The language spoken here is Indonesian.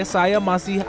saya masih aneh